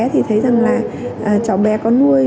thì thấy rằng là trò bé có nuôi